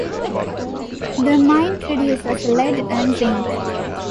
The mine produces lead and zinc.